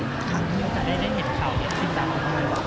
จะได้เห็นเข่าอย่างที่สร้างของคุณหรือเปล่า